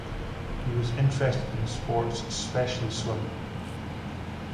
He was interested in sports, especially swimming.